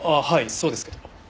そうですけど。